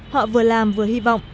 họ vừa làm vừa hy vọng